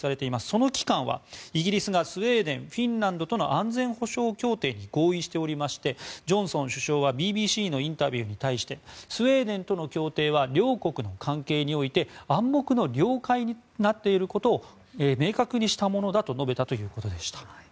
その期間はイギリスがスウェーデン、フィンランドとの安全保障協定に合意しておりましてジョンソン首相はＢＢＣのインタビューに対してスウェーデンとの協定は両国の関係において暗黙の了解となっていることを明確にしたものだと述べたということでした。